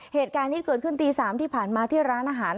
เหตุการณ์นี้เกิดขึ้นตี๓ที่ผ่านมาที่ร้านอาหาร